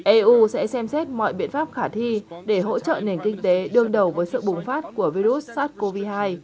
eu sẽ xem xét mọi biện pháp khả thi để hỗ trợ nền kinh tế đương đầu với sự bùng phát của virus sars cov hai